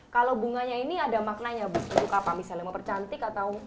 kalau bunganya ini ada maknanya bus untuk apa misalnya mempercantik atau